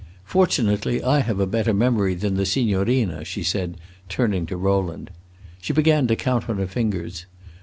Fortunately I have a better memory than the signorina," she said, turning to Rowland. She began to count on her fingers.